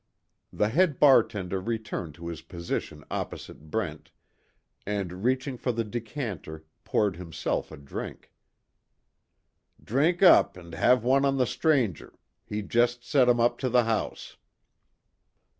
The head bartender returned to his position opposite Brent, and reaching for the decanter, poured himself a drink. "Drink up and have one on the stranger he just set 'em up to the house."